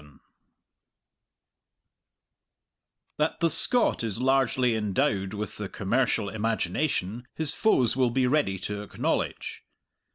That the Scot is largely endowed with the commercial imagination his foes will be ready to acknowledge.